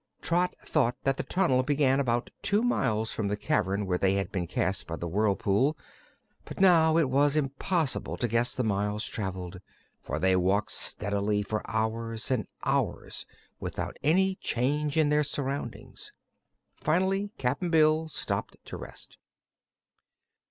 Trot thought that the tunnel began about two miles from the cavern where they had been cast by the whirlpool, but now it was impossible to guess the miles traveled, for they walked steadily for hours and hours without any change in their surroundings. Finally Cap'n Bill stopped to rest.